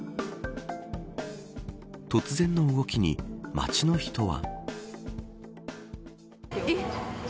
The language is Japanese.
突然の動きに街の人は。